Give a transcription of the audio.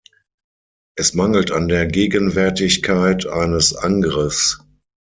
Es mangelt an der Gegenwärtigkeit eines Angriffs.